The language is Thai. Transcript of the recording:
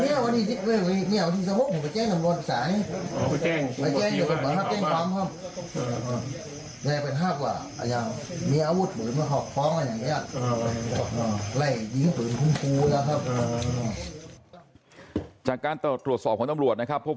เนี่ยวันนี้สมมุติผมไปแจ้งตำรวจภาษาเอง